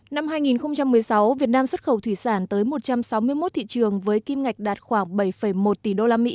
năm hai nghìn một mươi sáu việt nam xuất khẩu thủy sản tới một trăm sáu mươi một thị trường với kim ngạch đạt khoảng bảy một tỷ usd